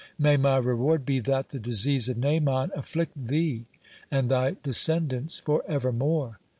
May my reward be that the disease of Naaman afflict thee and thy descendants for evermore."